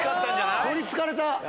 取りつかれた！